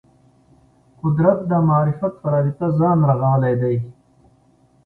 قدرت د معرفت په رابطه ځان رغولی دی